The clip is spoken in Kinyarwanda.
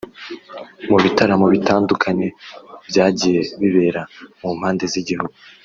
Mu bitaramo bitandukanye byagiye bibera mu mpande z’igihugu